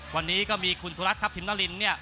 วันนี้ก็มีคุณสุรัตนทัพทิมนารินเนี่ย